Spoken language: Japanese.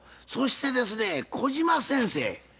そしてですね小島先生